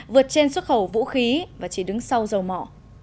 vượt trên xuất khẩu vũ khí và chỉ đứng sau dầu mỏ